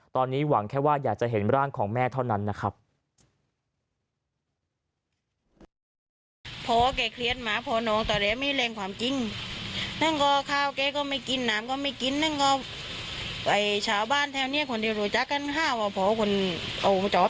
ตอนนี้หวังแค่ว่าอยากจะเห็นร่างของแม่เท่านั้นนะครับ